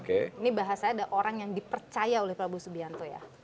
ini bahasa ada orang yang dipercaya oleh prabowo subianto ya